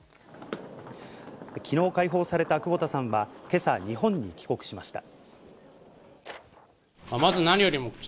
昨日、解放された久保田さんは今朝、日本に帰国しました。